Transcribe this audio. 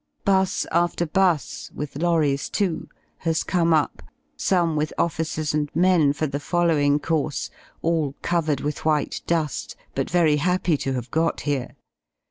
'Bus after 'bus, with lorries, too, has come up, some with officers and men for the following course, all covered with white du^, but very happy to have got here.